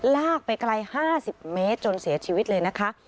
ลากไปไกล๕๐เมตรจนเสียชีวิตเลยนะคะ